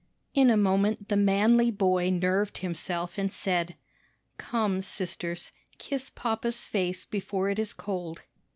In a moment the manly boy nerved himself, and said, "Come, sisters, kiss papa's face before it is cold."